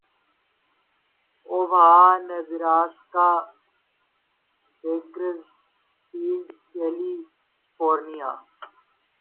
اوہہا Nebraska Bakersfield California